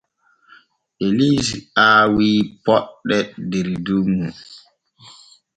Elise aawi poɗɗe der dunŋu.